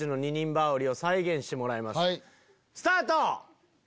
スタート！